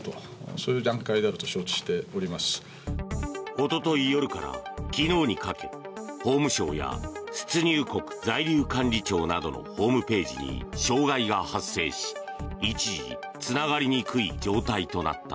おととい夜から昨日にかけ法務省や出入国在留管理庁などのホームページに障害が発生し、一時つながりにくい状態となった。